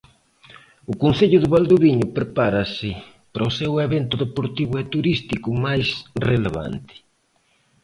O concello de Valdoviño prepárase para o seu evento deportivo e turístico máis relevante.